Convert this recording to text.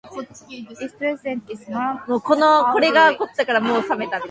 Its president is Mark Alldritt.